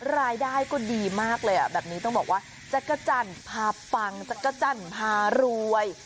รายได้ก็ดีมากเลยแบบนี้ต้องบอกว่าจักรจันทร์พาปังจักรจันทร์พารวย